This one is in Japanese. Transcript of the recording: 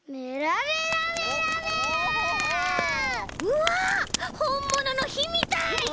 うわほんもののひみたい！